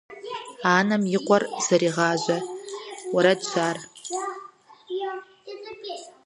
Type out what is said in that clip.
Анэм и къуэр зэрыригъажьэ уэрэдщ ар.